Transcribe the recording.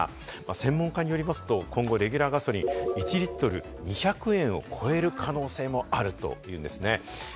専門家によりますと、今後、レギュラーガソリン１リットル２００円を超える可能性もあるというんですね。